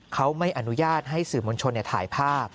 เขาไม่อนุญาตให้สื่อมวลชนถ่ายภาพ